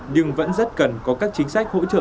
nhưng vẫn rất cần có các chính sách hỗ trợ